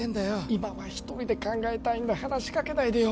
今は一人で考えたいんだ話しかけないでよ